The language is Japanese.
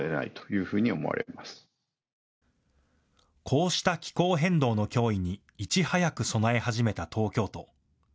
こうした気候変動の脅威にいち早く備え始めた東京都。